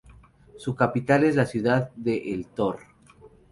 Su capital es la ciudad de El Tor.